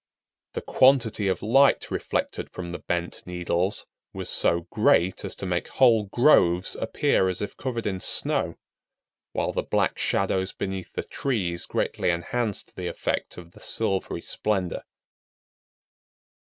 The quantity of light reflected from the bent needles was so great as to make whole groves appear as if covered with snow, while the black shadows beneath the trees greatly enhanced the effect of the silvery splendor.